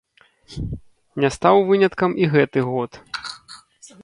Не стаў выняткам і гэты год.